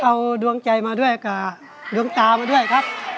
เอาดวงใจกับดวงตามาด้วยครับ